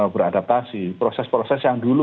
beradaptasi proses proses yang dulu